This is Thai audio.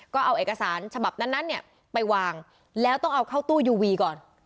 ก็เอาเอกสารฉบับนั้นเนี่ยไปวางแล้วต้องเอาเข้าตู้ยูวีก่อน